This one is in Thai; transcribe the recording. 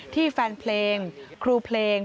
ที่แฟนเพลงครูเพลง